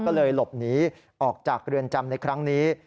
ก็เลยหลบหนีออกจากเรือนจำในครั้งนี้